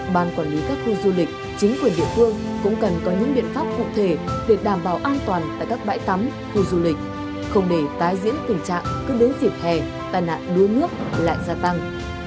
ban quản lý các khu du lịch chính quyền địa phương cũng cần có những biện pháp cụ thể để đảm bảo an toàn tại các bãi tắm khu du lịch không để tái diễn tình trạng cứ đến dịp hè tai nạn đuối nước lại gia tăng